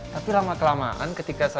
tapi lama kelamaan ketika saya